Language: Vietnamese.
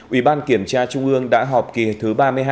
ủy ban kiểm tra trung ương đã họp kỳ thứ ba mươi hai